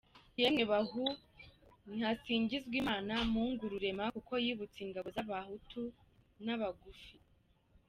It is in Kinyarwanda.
Yemwe bahu, nihasingizwe Imana Mungu Rurema, kuko yibutse ingabo ze Abahutu n’Abagufi.